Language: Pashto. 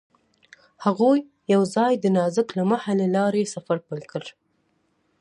هغوی یوځای د نازک لمحه له لارې سفر پیل کړ.